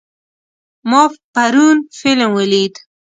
ما پرون فلم ولید.